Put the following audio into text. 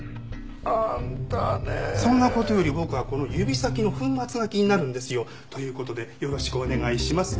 そんな事より僕はこの指先の粉末が気になるんですよ。という事でよろしくお願いします。